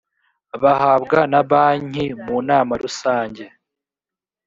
bahabwa na banki mu nama rusange